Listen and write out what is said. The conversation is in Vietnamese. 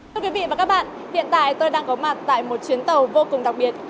thưa quý vị và các bạn hiện tại tôi đang có mặt tại một chuyến tàu vô cùng đặc biệt